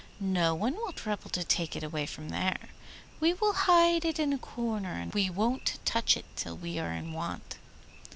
No one will trouble to take it away from there. We will hide it in a corner, and we won't touch it till we are in want.